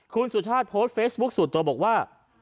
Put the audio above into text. คุณสุชาติโพสต์เฟซบุ๊คส่วนตัวบอกว่า